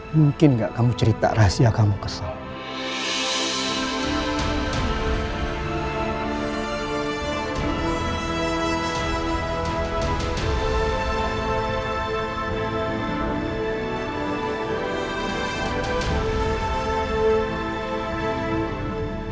mungkin gak kamu cerita rahasia kamu ke sana